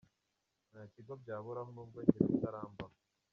Nta kigo byaburaho nubwo njye bitarambaho.